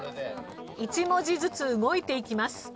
１文字ずつ動いていきます。